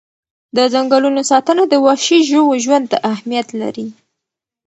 د ځنګلونو ساتنه د وحشي ژوو ژوند ته اهمیت لري.